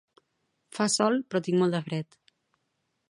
Fa sol però tinc molt fred